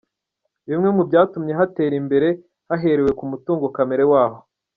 Bimwe mu byatumye hatera imbere haherewe ku mutungo kamere waho.